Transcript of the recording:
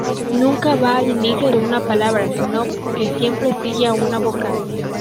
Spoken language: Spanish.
Nunca va al inicio de una palabra sino que siempre sigue a una vocal.